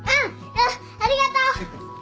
うんありがとう。